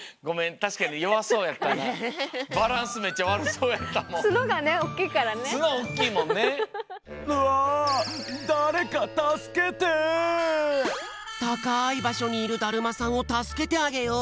たかいばしょにいるだるまさんをたすけてあげよう！